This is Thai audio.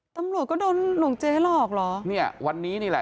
ตำรวจก็โดนหลวงเจ๊หลอกเหรอเนี่ยวันนี้นี่แหละ